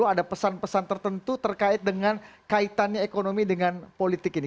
ada pesan pesan tertentu terkait dengan kaitannya ekonomi dengan politik ini